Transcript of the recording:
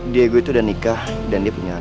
diego itu udah nikah dan dia punya